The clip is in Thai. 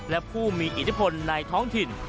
และผู้มีอิทธิพลในท้องถิ่น